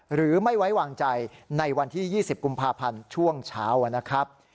หรือไม่ไว้วางใจในวันที่๒๐กุมภาพันธ์ช่วงเช้านะครับ